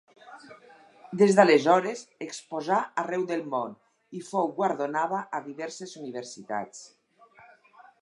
Des d'aleshores exposà arreu del món i fou guardonada a diverses universitats.